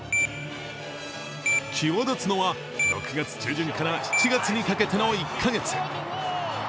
際立つのは、６月中旬から７月にかけての１カ月。